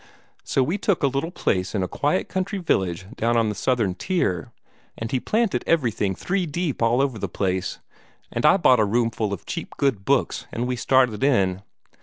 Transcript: So we took a little place in a quiet country village down on the Southern Tier, and he planted everything three deep all over the place, and I bought a roomful of cheap good books, and we started in.